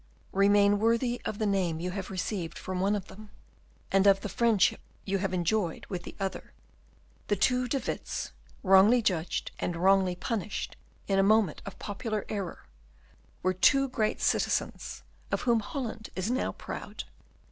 Remain worthy of the name you have received from one of them, and of the friendship you have enjoyed with the other. The two De Witts, wrongly judged and wrongly punished in a moment of popular error, were two great citizens, of whom Holland is now proud."